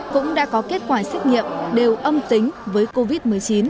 cũng đã có kết quả xét nghiệm đều âm tính với covid một mươi chín